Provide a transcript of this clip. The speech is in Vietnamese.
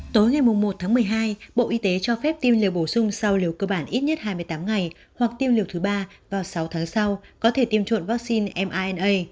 tối ngày một một mươi hai bộ y tế cho phép tiêm liều bổ sung sau liều cơ bản ít nhất hai mươi tám ngày hoặc tiêm liều thứ ba vào sáu tháng sau có thể tiêm chuộn vaccine mrna